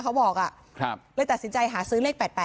เขาบอกเลยตัดสินใจหาซื้อเลข๘๘